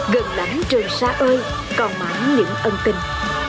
gần lán trường xa ơi còn mãi những ân tình